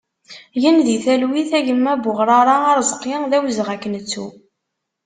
Gen di talwit a gma Buɣrara Arezqi, d awezɣi ad k-nettu!